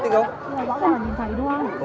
tinh tinh không